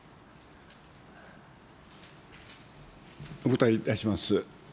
お答えいたします。